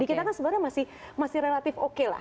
dikirakan sebenarnya masih relatif oke lah